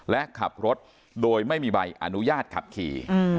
และขับรถโดยไม่มีใบอนุญาตขับขี่